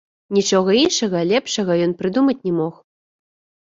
Нічога іншага лепшага ён прыдумаць не мог.